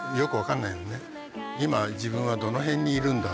今自分はどの辺にいるんだろう。